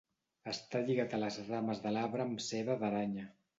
Està lligat a les rames de l'arbre amb seda d'aranya.